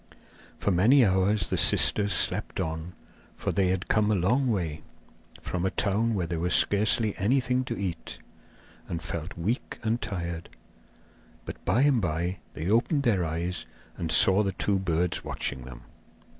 For many hours the sisters slept on, for they had come a long way, from a town where there was scarcely anything to eat, and felt weak and tired. But by and by they opened their eyes and saw the two birds watching them.